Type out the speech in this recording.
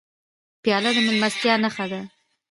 پیاله د میلمستیا نښه ده.